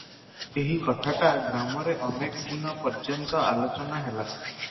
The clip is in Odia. ଏହି କଥାଟା ଗ୍ରାମରେ ଅନେକ ଦିନ ପର୍ଯ୍ୟନ୍ତ ଆଲୋଚନା ହେଲା ।